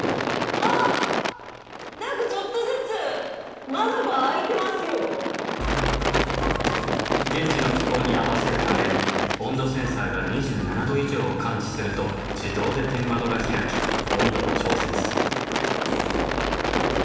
あっ何かちょっとずつ現地の気候に合わせるため温度センサーが２７度以上を感知すると自動で天窓が開き温度を調節。